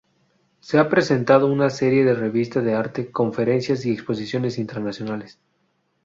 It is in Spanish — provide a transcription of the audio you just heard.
Se ha presentado en una serie de revistas de arte, conferencias y exposiciones internacionales.